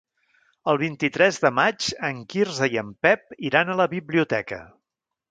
El vint-i-tres de maig en Quirze i en Pep iran a la biblioteca.